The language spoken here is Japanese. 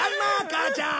母ちゃん！